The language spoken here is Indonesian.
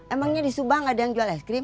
emangnya di subang ada yang jual es krim